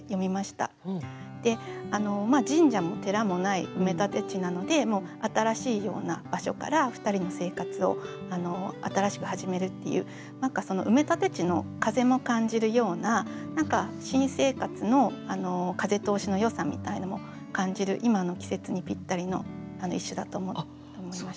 「神社も寺もない埋め立て地」なので新しいような場所から２人の生活を新しく始めるっていう埋め立て地の風も感じるような何か新生活の風通しのよさみたいなものも感じる今の季節にぴったりの一首だと思いました。